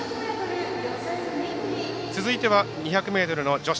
続いては２００ｍの女子。